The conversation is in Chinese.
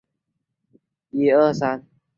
他为人所知的研究主要是计算复杂性理论和。